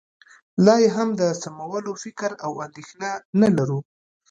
لا یې هم د سمولو فکر او اندېښنه نه لرو